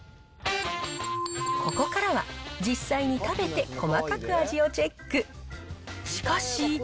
ここからは、実際に食べて細かく味をチェック。